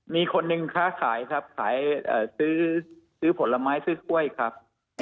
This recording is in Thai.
มีคนหนึ่งค้าขายครับขายซื้อผลไม้ซื้อกล้วยครับ